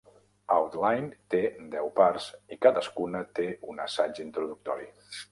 "Outline" té deu parts i cadascuna té un assaig introductori.